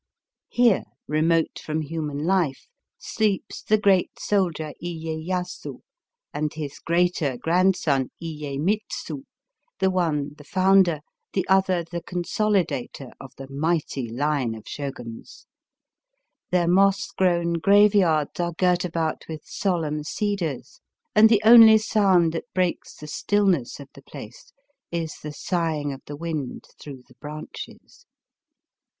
Here, remote from human life, sleeps the great soldier lyeyasu and his greater grandson lyemitsu, the one the founder, the other the consolidator of the mighty line of Shoguns. Their moss grown graveyards are girt about with solemn cedars, and the only sound that breaks the stillness of the place is the sighing of the wind through the branches. Digitized by VjOOQIC THE TOMBS OF THE SHOGUNS.